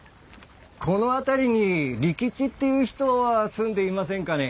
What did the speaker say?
この辺りに利吉っていう人は住んでいませんかね？